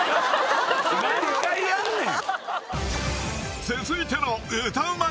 何回やんねん！